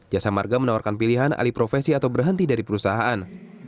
jasa marga menawarkan pilihan aliprofesi atau berhenti dari perusahaan